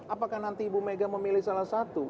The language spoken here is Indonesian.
apakah nanti ibu mega memilih salah satu